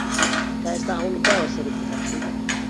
تا ئێستا هەوڵت داوە سەرت بتاشیت؟